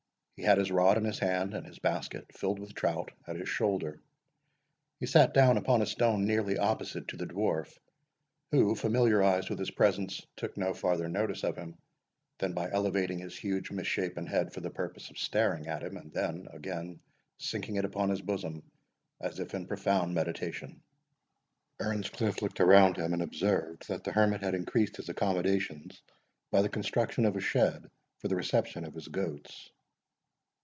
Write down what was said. He had his rod in his hand, and his basket, filled with trout, at his shoulder. He sate down upon a stone nearly opposite to the Dwarf who, familiarized with his presence, took no farther notice of him than by elevating his huge mis shapen head for the purpose of staring at him, and then again sinking it upon his bosom, as if in profound meditation. Earnscliff looked around him, and observed that the hermit had increased his accommodations by the construction of a shed for the reception of his goats.